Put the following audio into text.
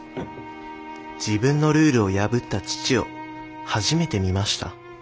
自分のルールを破った父を初めて見ました。